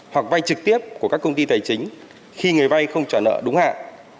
hoặc vay trực tiếp của các công ty tài chính khi người vay không trả nợ đúng hạn